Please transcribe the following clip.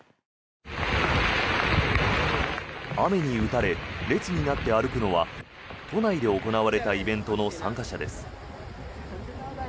雨に打たれ、列になって歩くのは都内で行われたイベントの参加者です。